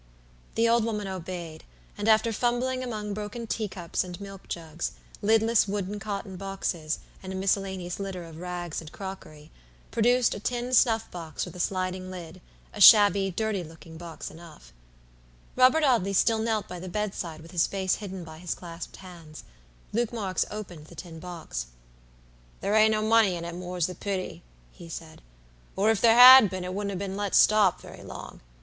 The old woman obeyed, and after fumbling among broken teacups and milk jugs, lidless wooden cotton boxes, and a miscellaneous litter of rags and crockery, produced a tin snuff box with a sliding lid; a shabby, dirty looking box enough. Robert Audley still knelt by the bedside with his face hidden by his clasped hands. Luke Marks opened the tin box. "There ain't no money in it, more's the pity," he said, "or if there had been it wouldn't have been let stop very long.